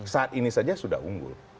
saat ini saja sudah unggul